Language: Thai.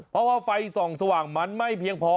เพราะว่าไฟส่องสว่างมันไม่เพียงพอ